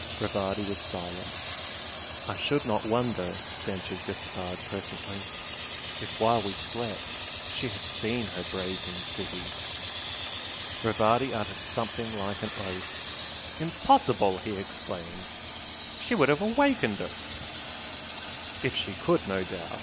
Rivardi was silent. "I should not wonder," ventured Gaspard, presently "if while we slept she had seen her 'Brazen City'!" Rivardi uttered something like an oath. "Impossible!" he exclaimed "She would have awakened us!" "If she could, no doubt!"